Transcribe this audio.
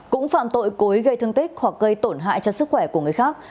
cũng phạm tội cố ý gây thương tích hoặc gây tổn hại cho sức khỏe của người khác